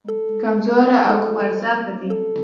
کمزوري او خوارځواکه دي.